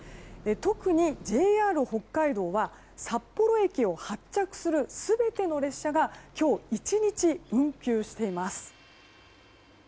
特にＪＲ北海道は札幌駅を発着する全ての列車が今日１日運休しています。